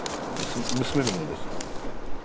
娘のものです。